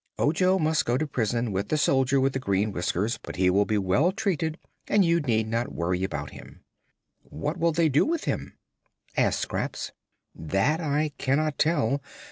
Ojo must go to prison with the Soldier with the Green Whiskers, but he will be well treated and you need not worry about him." "What will they do with him?" asked Scraps. "That I cannot tell.